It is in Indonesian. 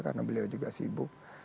karena beliau juga sibuk